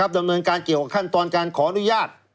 ดำเนินการเกี่ยวกับขั้นตอนการขออนุญาต